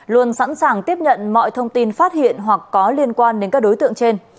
luôn sẵn sàng tiếp nhận mọi thông tin phát hiện hoặc có liên quan đến các đối tượng trên